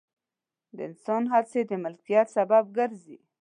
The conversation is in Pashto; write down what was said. د انسان هڅې د مالکیت سبب ګرځي.